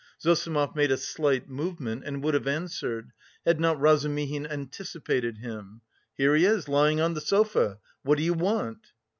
Zossimov made a slight movement, and would have answered, had not Razumihin anticipated him. "Here he is lying on the sofa! What do you want?"